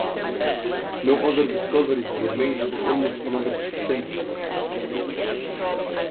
No other discoveries were made for almost another century.